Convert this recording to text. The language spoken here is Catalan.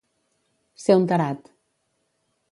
Ser un tarat.